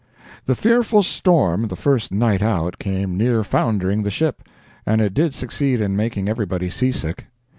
The fearful storm the first night out came near foundering the ship, and it did succeed in making everybody sea sick.